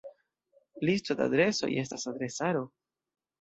Listo de adresoj estas adresaro.